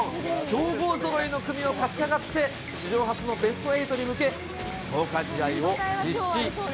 強豪ぞろいの組を勝ち上がって、史上初のベスト８に向け、強化試合を実施。